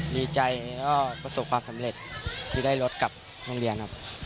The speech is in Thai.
ดีใจแล้วก็ประสบความสำเร็จที่ได้รถกลับโรงเรียนครับ